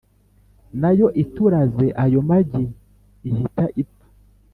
nayo ituraze ayo magi, ihita ipfa.